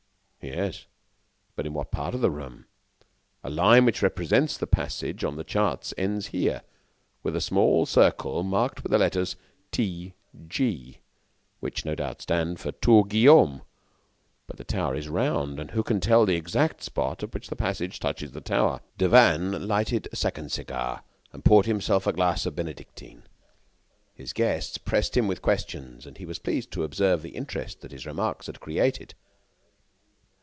"Yes, but in what part of the room? The line which represents the passage on the charts ends here, with a small circle marked with the letters 'T.G.,' which no doubt stand for 'Tour Guillaume.' But the tower is round, and who can tell the exact spot at which the passage touches the tower?" Devanne lighted a second cigar and poured himself a glass of Benedictine. His guests pressed him with questions and he was pleased to observe the interest that his remarks had created.